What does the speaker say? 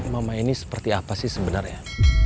mama ini seperti apa sih sebenarnya